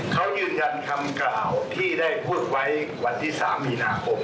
เขายืนยันคำกล่าวที่ได้พูดไว้วันที่๓มีนาคม